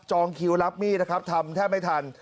คิวรับมีดนะครับทำแทบไม่ทัน